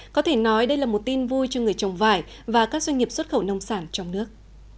có thể nói đây là một tin vui cho người trồng vải và các doanh nghiệp xuất khẩu nông sản trong nước